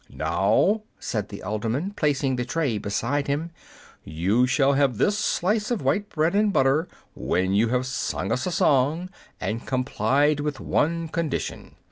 "Now," said the alderman, placing the tray beside him, "you shall have this slice of white bread and butter when you have sung us a song, and complied with one condition."